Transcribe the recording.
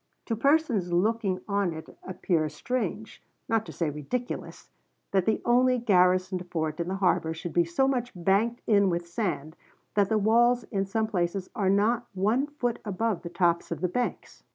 To persons looking on it appears strange, not to say ridiculous, that the only garrisoned fort in the harbor should be so much banked in with sand, that the walls in some places are not one foot above the tops of the banks."